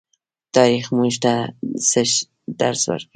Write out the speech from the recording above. تاریخ موږ ته څه درس راکوي؟